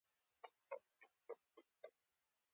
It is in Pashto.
هغه د بودیجې او پلان جوړونې کمېټې مشر و.